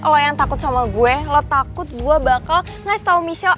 kalau yang takut sama gue lo takut gue bakal ngasih tau michelle